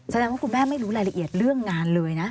แสดงว่าคุณแม่ไม่รู้รายละเอียดเรื่องงานเลยนะ